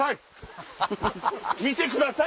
見てください！